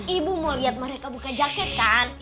ibu mau lihat mereka buka jaket kan